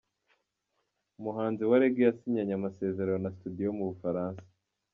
Umuhanzi wa Rege yasinyanye amasezerano na Studio yo mu Bufaransa